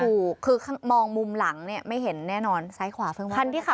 ถูกคือมองมุมหลังเนี่ยไม่เห็นแน่นอนซ้ายขวาเพิ่งคันที่ขับ